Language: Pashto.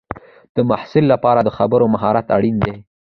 د محصل لپاره د خبرو مهارت اړین دی.